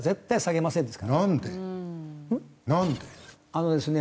あのですね